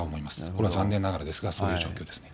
これは残念ながらですが、そういう状況ですね。